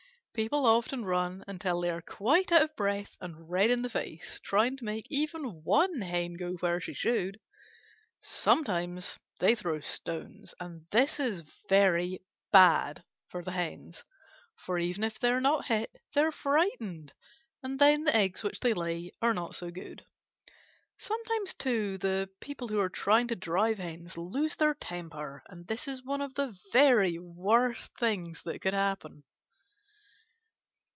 People often run until they are quite out of breath and red in the face, trying to make even one Hen go where she should. Sometimes they throw stones, and this is very bad for the Hens, for even if they are not hit, they are frightened, and then the eggs which they lay are not so good. Sometimes, too, the people who are trying to drive Hens lose their temper, and this is one of the very worst things that could happen.